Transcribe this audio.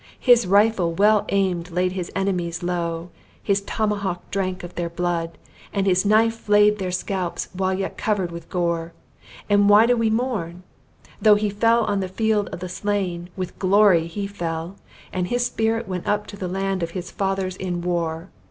His rifle well aimed laid his enemies low: his tomahawk drank of their blood: and his knife flayed their scalps while yet covered with gore! And why do we mourn? Though he fell on the field of the slain, with glory he fell, and his spirit went up to the land of his fathers in war!